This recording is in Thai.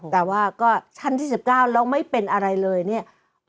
แต่ว่าก็ชั้นที่๑๙แล้วไม่เป็นอะไรเลยเนี่ย